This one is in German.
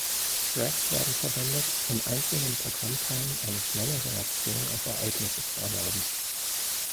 Threads werden verwendet, um einzelnen Programmteilen eine schnelle Reaktion auf Ereignisse zu erlauben.